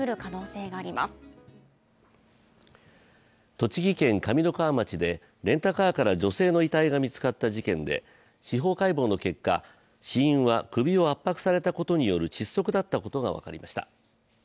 栃木県上三川町でレンタカーから女性の遺体が見つかった事件で司法解剖の結果、死因は首を圧迫されたことによる窒息だったことが分かりました。